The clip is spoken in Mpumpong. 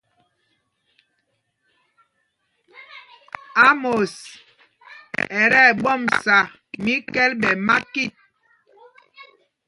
Ámos ɛ tí ɛɓɔmsa míkɛ̂l ɓɛ makit.